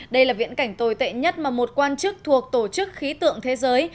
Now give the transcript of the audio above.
đây là viễn cảnh tồi tệ nhất mà một quan chức thuộc tổ chức khí tượng thế giới